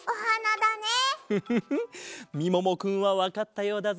フフフッみももくんはわかったようだぞ。